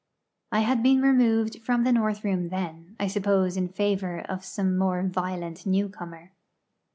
I had been removed from the north room then; I suppose in favour of some more violent newcomer.